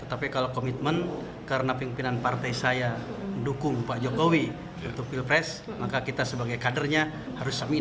tetapi kalau komitmen karena pimpinan partai saya mendukung pak jokowi untuk pilpres maka kita sebagai kadernya harus samin